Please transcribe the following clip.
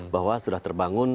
bahwa sudah terbangun